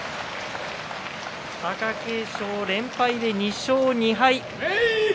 貴景勝連敗で２勝２敗。